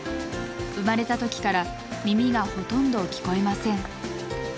生まれたときから耳がほとんど聞こえません。